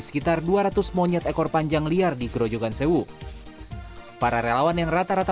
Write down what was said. sekitar dua ratus monyet ekor panjang liar di kerojukan sewu para relawan yang rata rata